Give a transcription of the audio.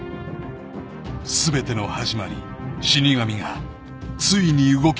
［全ての始まり死神がついに動き始める］